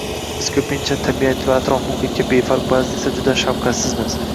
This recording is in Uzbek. Biz ko'pincha tabiatga va atrof -muhitga befarq, ba'zida esa juda shafqatsizmiz